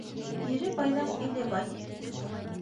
Ере байҙың иле бай.